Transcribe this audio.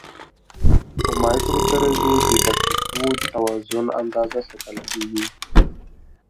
په مایکرو درجو د دقیق توازن اندازه ساتل کېږي.